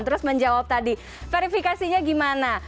terus menjawab tadi verifikasinya gimana